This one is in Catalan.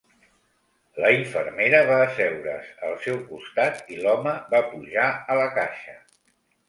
La infermera va asseure's al seu costat i l'home va pujar a la caixa.